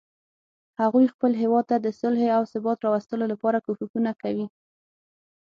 هغوی خپل هیواد ته د صلحې او ثبات راوستلو لپاره کوښښونه کوي